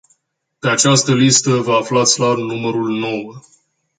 Pe această listă, vă aflați la numărul nouă.